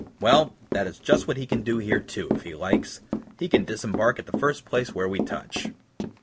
"Well, that is just what he can do here, too, if he likes; he can disembark at the first place where we touch."